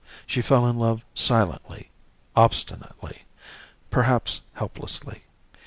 She fell in love silently, obstinately perhaps helplessly.